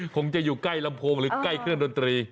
คงจะอยู่ใกล้ลำโพงหรือใกล้เครื่องดนตรี